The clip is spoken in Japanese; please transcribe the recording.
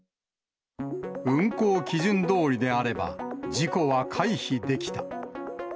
運航基準どおりであれば、事故は回避できた。